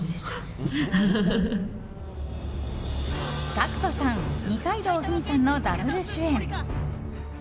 ＧＡＣＫＴさん二階堂ふみさんのダブル主演